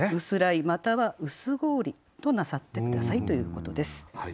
「薄氷」または「薄氷」となさって下さいということです。